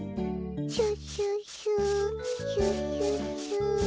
シュッシュッシュシュッシュッシュ。